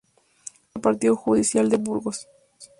Pertenece al Partido Judicial de Burgos.